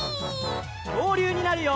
きょうりゅうになるよ！